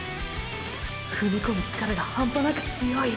踏み込む力が半端なく強い。